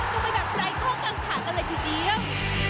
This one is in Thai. ดูไปแบบไร้ข้อกำขากันเลยทีเดียว